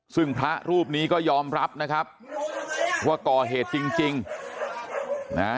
ซึ่งพระรูปนี้ก็ยอมรับนะครับว่าก่อเหตุจริงจริงนะฮะ